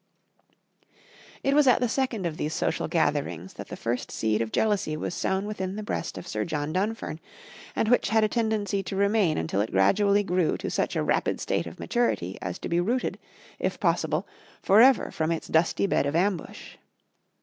It was at the second of these social gatherings that the first seed of jealousy was sown within the breast of Sir John Dunfern, and which had a tendency to remain until it gradually grew to such a rapid state of maturity as to be rooted, if possible, for ever from its dusty bed of ambush.